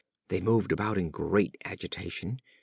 They moved about in great agitation.